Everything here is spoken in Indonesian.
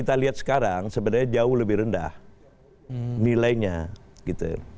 tapi sekarang sebenarnya jauh lebih rendah nilainya gitu